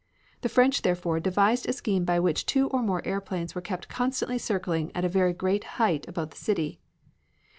The French, therefore, devised a scheme by which two or more airplanes were kept constantly circling at a very great height above the city.